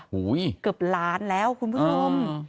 เกือบล้านแล้วคุณผู้ชม